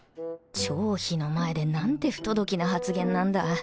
寵妃の前で何て不届きな発言なんだ